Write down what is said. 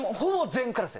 全クラス？